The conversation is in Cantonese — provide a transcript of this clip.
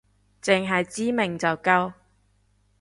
淨係知名就夠